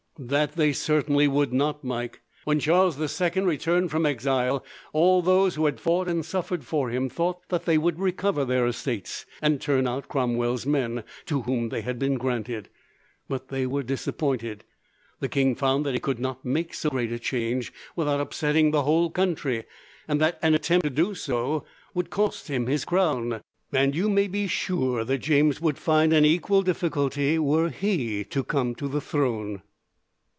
"That they certainly would not, Mike. When Charles the Second returned from exile, all those who had fought and suffered for him thought that they would recover their estates, and turn out Cromwell's men, to whom they had been granted. But they were disappointed. The king found that he could not make so great a change, without upsetting the whole country, and that an attempt to do so would cost him his crown; and you may be sure that James would find an equal difficulty, were he to come to the throne."